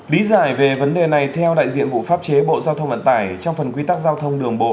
lý giải về vấn đề này theo đại diện vụ pháp chế bộ giao thông vận tải trong phần quy tắc giao thông đường bộ